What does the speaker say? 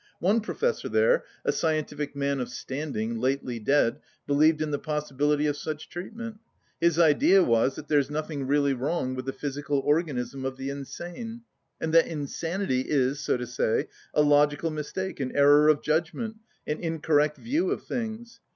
One professor there, a scientific man of standing, lately dead, believed in the possibility of such treatment. His idea was that there's nothing really wrong with the physical organism of the insane, and that insanity is, so to say, a logical mistake, an error of judgment, an incorrect view of things.